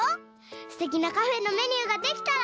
すてきなカフェのメニューができたら。